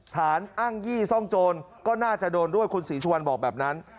อ้างยี่ซ่องโจรก็น่าจะโดนด้วยคุณศรีสุวรรณบอกแบบนั้น